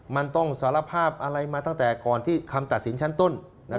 มันต้องสารภาพอะไรมาตั้งแต่ก่อนที่คำตัดสินชั้นต้น